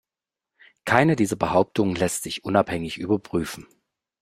Keine dieser Behauptungen lässt sich unabhängig überprüfen.